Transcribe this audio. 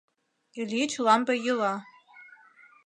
Ильич лампе йӱла;